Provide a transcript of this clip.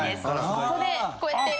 ここでこうやって。